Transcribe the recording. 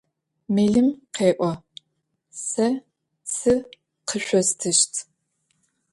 Мэлым къеӏо: Сэ цы къышъостыщт.